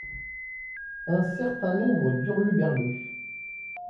Un certains nombre d’hurluberlus.